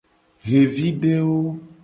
Xevidewo.